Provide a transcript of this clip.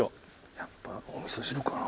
やっぱお味噌汁かな。